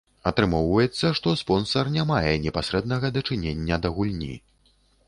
Атрымоўваецца, што спонсар не мае непасрэднага дачынення да гульні.